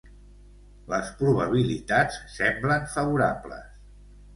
Les probabilitats semblen favorables.